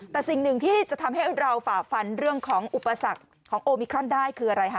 แต่สิ่งหนึ่งที่จะทำให้เราฝ่าฟันเรื่องของอุปสรรคของโอมิครอนได้คืออะไรคะ